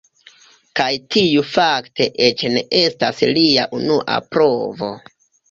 Kaj tiu fakte eĉ ne estas lia unua provo.